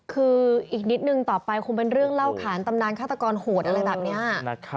คืออีกนิดนึงต่อไปคงเป็นเรื่องเล่าขานตำนานฆาตกรโหดอะไรแบบนี้